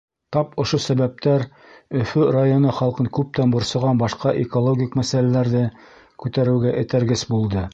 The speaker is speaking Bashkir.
Тап ошо сәбәптәр Өфө районы халҡын күптән борсоған башҡа экологик мәсьәләләрҙе күтәреүгә этәргес булды.